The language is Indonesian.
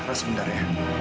ras benar ya